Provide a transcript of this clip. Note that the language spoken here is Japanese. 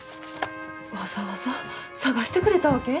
わざわざ探してくれたわけ？